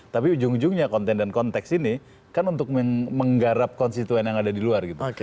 tapi ujung ujungnya konten dan konteks ini kan untuk menggarap konstituen yang ada di luar gitu